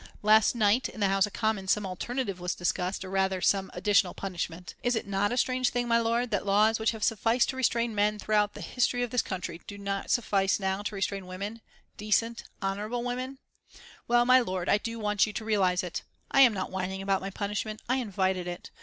Last night in the House of Commons some alternative was discussed, or rather, some additional punishment. Is it not a strange thing, my lord, that laws which have sufficed to restrain men throughout the history of this country do not suffice now to restrain women decent women, honourable women? "Well, my lord, I do want you to realise it. I am not whining about my punishment, I invited it.